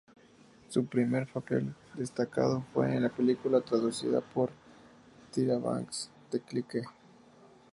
Su primer papel destacado fue en la película producida por Tyra Banks, "The Clique".